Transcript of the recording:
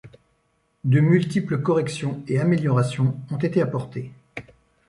De multiples corrections et améliorations ont été apportées.